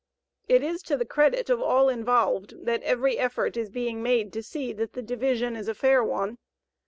It is to the credit of all involved that every effort is being made to see that the division is a fair one.